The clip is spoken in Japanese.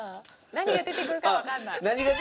何が出てくるかわかんない。